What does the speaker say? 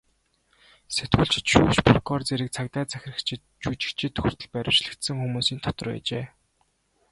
Сэтгүүлчид, шүүгч, прокурор, цэрэг цагдаа, захирагчид, жүжигчид хүртэл баривчлагдсан хүмүүсийн дотор байжээ.